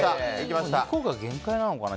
２個が限界なのかな。